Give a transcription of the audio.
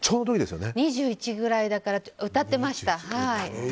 ２１くらいだから歌ってました。